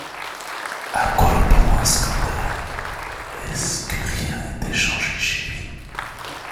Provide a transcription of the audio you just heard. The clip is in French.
À quoi bon un scandale? est-ce que rien était changé chez lui ?